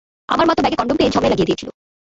আমার মা তো ব্যাগে কনডম পেয়ে, ঝগড়াই লাগিয়ে দিয়েছিল।